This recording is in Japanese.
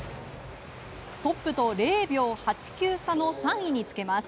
トップと０秒８９差の３位につけます。